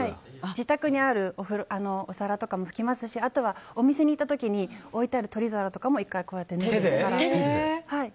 自宅にあるお皿とかも拭きますし拭きますし、あとはお店に行ったときに置いてある取り皿とかも１回、拭ってから。